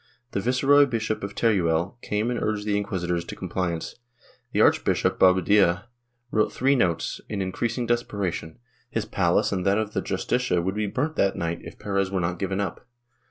The Viceroy Bishop of Teruel came and urged the inquisitors to compliance. The Arch bishop Bobadilla wrote three notes, in increasing desperation — his palace and that of the Justicia would be burnt that night if 2(30 POLITICAL ACTIVITY [Book VIII Perez were not given up.